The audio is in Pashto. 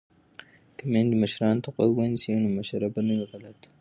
که میندې مشرانو ته غوږ ونیسي نو مشوره به نه وي غلطه.